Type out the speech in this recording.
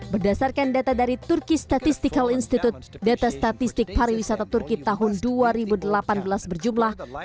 berdasarkan data dari turki statistical institute data statistik pariwisata turki tahun dua ribu delapan belas berjumlah hal ini berpengaruh untuk membayar keahlian yang terjadi di elemena turki trauma